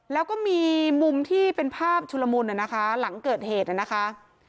แล้วก็มีมุมที่เป็นภาพชุลมุนนะคะหลังเกิดเหตุนะคะ